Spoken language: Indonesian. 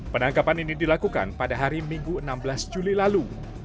penangkapan ini dilakukan pada hari minggu enam belas juli lalu